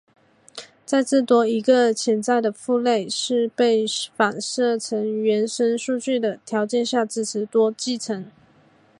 在至多一个潜在的父类是被反射成原生数据的条件下支持多继承。